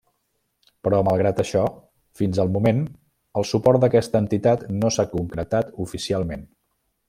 Però, malgrat això, fins al moment el suport d'aquesta entitat no s'ha concretat oficialment.